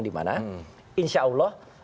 di mana insya allah